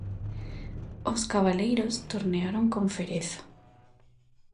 Os cabaleiros tornearon con fereza.